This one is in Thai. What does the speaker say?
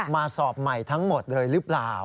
สอบใหม่ทั้งหมดเลยหรือเปล่า